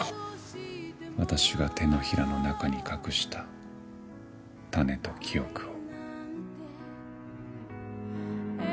私が手のひらの中に隠したタネと記憶を。